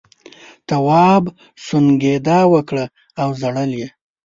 تواب سونگېدا وکړه او ژړل یې.